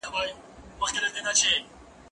که وخت وي، اوبه څښم!!